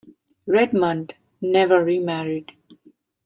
Redmond never remarried.